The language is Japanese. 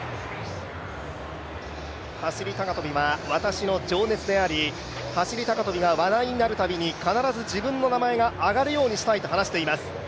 走高跳は私の情熱であり、走高跳が話題になるたびに、必ず自分の名前が挙がるようにしたいと話しています。